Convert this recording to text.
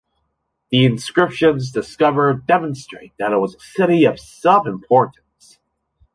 The inscriptions discovered demonstrate that it was a city of some importance.